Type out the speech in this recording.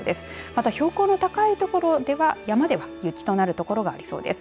また、標高の高い所では山では雪となる所がありそうです。